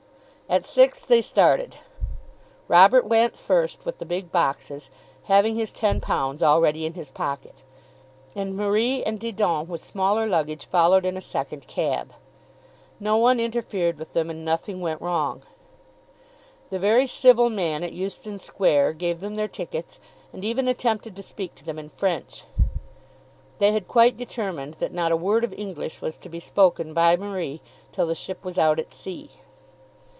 At six they started. Robert went first with the big boxes, having his ten pounds already in his pocket, and Marie and Didon with smaller luggage followed in a second cab. No one interfered with them and nothing went wrong. The very civil man at Euston Square gave them their tickets, and even attempted to speak to them in French. They had quite determined that not a word of English was to be spoken by Marie till the ship was out at sea.